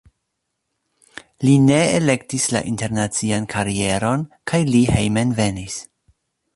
Li ne elektis la internacian karieron kaj li hejmenvenis.